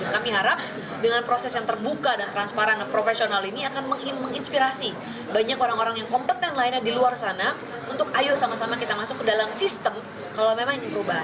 kami harap dengan proses yang terbuka dan transparan profesional ini akan menginspirasi banyak orang orang yang kompeten lainnya di luar sana untuk ayo sama sama kita masuk ke dalam sistem kalau memang ini berubah